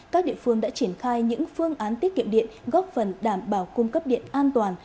các địa phương đã triển khai những phương án tiết kiệm điện góp phần đảm bảo cung cấp điện an toàn